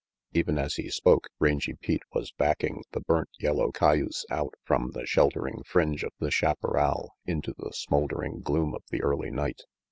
Even as he spoke, Rangy Pete was backing the burnt yellow cayuse out from the sheltering fringe of the chaparral into the smouldering gloom of the early night.